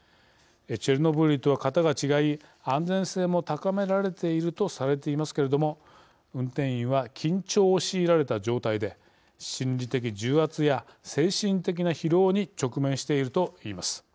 チェルノブイリとは型が違い安全性も高められているとされていますけれども運転員は緊張を強いられた状態で心理的重圧や精神的な疲労に直面しているといいます。